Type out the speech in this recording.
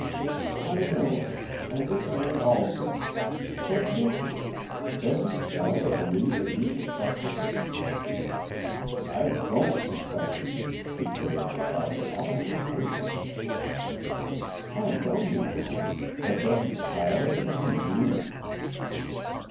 "I know it, and this may also. But listen: doesn't Schuyler believe that you suspect him?" "I don't suspect him," declared Rob, almost fiercely. "I know you don't; but doesn't Schuyler think you do?"